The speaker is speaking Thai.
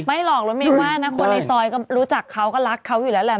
ไม่หรอกรถเมลมากนะคนในซอยก็รู้จักเขาก็รักเขาอยู่แล้วแหละ